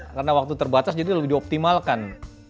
karena waktu terbatas jadi lebih dioptimalkan